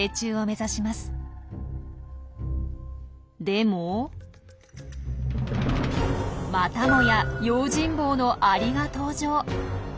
でもまたもや用心棒のアリが登場！